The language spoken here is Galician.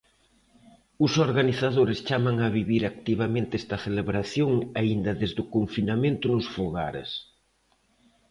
Os organizadores chaman a vivir activamente esta celebración aínda desde o confinamento nos fogares.